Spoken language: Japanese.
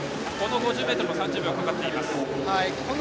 ５０ｍは３０秒かかっています。